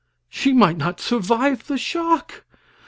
She might not survive the shock!